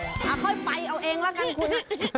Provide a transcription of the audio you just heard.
ค่อยไปเอาเองละกันคุณ